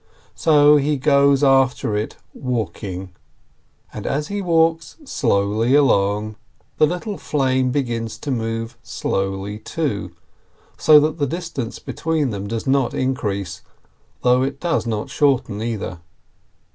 So he goes after it walk ing. And as he walks slowly along, the little flame begins to move slowly, too, so that the distance between them does not increase, though it does not shorten, either.